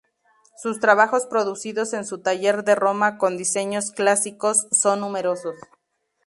Sus trabajos producidos en su taller de Roma con diseños clásicos son numerosos.